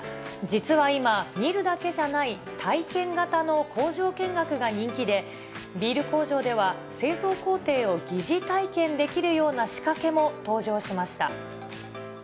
実は今、見るだけじゃない体験型の工場見学が人気で、ビール工場では、製造工程を疑似体験できるような仕掛けも登場しました。